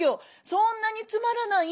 そんなにつまらない？」。